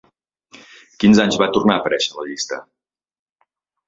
Quins anys va tornar a aparèixer a la llista?